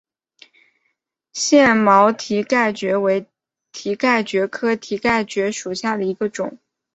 腺毛蹄盖蕨为蹄盖蕨科蹄盖蕨属下的一个种。